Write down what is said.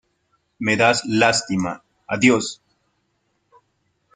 Me das lástima. Adiós .